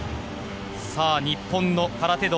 日本の空手道